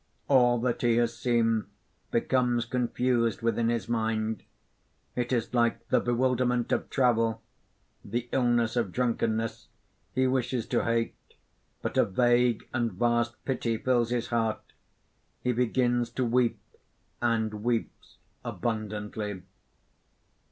_ _All that he has seen becomes confused within his mind. It is like the bewilderment of travel, the illness of drunkenness. He wishes to hate; but a vague and vast pity fills his heart. He begins to weep, and weeps abundantly.